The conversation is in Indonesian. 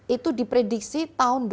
itu diprediksi tahun dua ribu dua puluh lima